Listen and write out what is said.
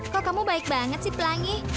kok kamu baik banget sih pelangi